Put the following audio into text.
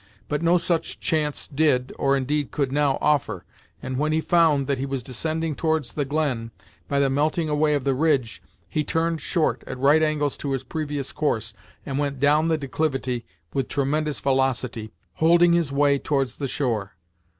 But no such chance did, or indeed could now offer, and when he found that he was descending towards the glen, by the melting away of the ridge, he turned short, at right angles to his previous course, and went down the declivity with tremendous velocity, holding his way towards the shore.